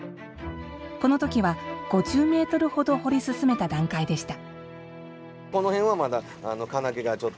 このときは、５０メートルほど掘り進めた段階でした。